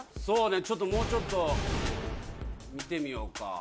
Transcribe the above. そうねちょっともうちょっと見てみようか。